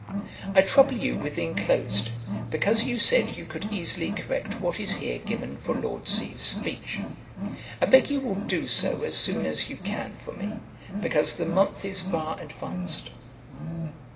'I trouble you with the inclosed, because you said you could easily correct what is here given for Lord C ld's speech. I beg you will do so as soon as you can for me, because the month is far advanced.'